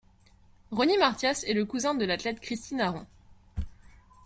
Rony Martias est le cousin de l'athlète Christine Arron.